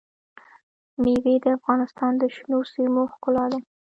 مېوې د افغانستان د شنو سیمو ښکلا ده.